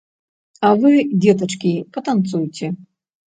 А вы, дзетачкі, патанцуйце.